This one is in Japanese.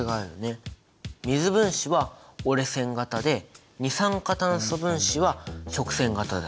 水分子は折れ線形で二酸化炭素分子は直線形だ。